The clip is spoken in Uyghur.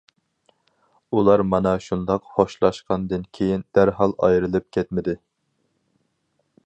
ئۇلار مانا شۇنداق خوشلاشقاندىن كېيىن دەرھال ئايرىلىپ كەتمىدى.